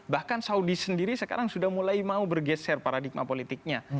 bahkan saudi sendiri sekarang sudah mulai mau bergeser paradigma politiknya